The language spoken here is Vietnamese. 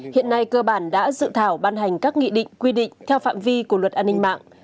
hiện nay cơ bản đã dự thảo ban hành các nghị định quy định theo phạm vi của luật an ninh mạng